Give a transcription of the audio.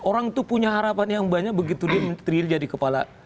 orang itu punya harapan yang banyak begitu dia menteri jadi kepala